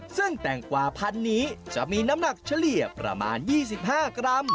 ซึ่งแตงกว่าพันนี้จะมีน้ำหนักเฉลี่ยประมาณ๒๕กรัม